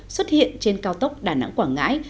xuất hiện trên cao tốc đà nẵng quảng ngãi